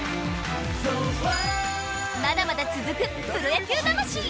まだまだ続く『プロ野球魂』。